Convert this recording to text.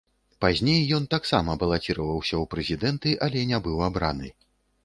Пазней ён таксама балаціраваўся ў прэзідэнты, але не быў абраны.